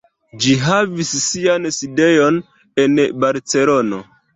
Ĝi havis sian sidejon en Barcelono.